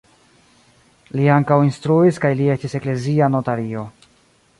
Li ankaŭ instruis kaj li estis eklezia notario.